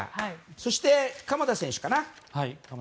そして鎌田選手。